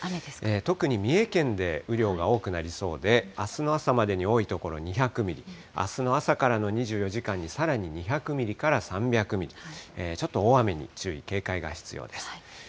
特に三重県で雨量が多くなりそうで、あすの朝までに多い所、２００ミリ、あすの朝からの２４時間にさらに２００ミリから３００ミリ、ちょっと大雨に注意、警戒が必要です。